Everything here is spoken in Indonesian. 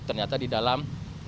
ternyata di dalam